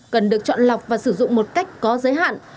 cần được chọn lọc và sử dụng một cách có giới hạn